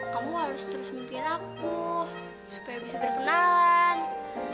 kamu harus terus memimpin aku supaya bisa berkenalan